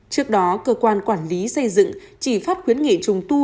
trước đó cơ quan quản lý xây dựng chỉ phát khuyến nghị trùng tu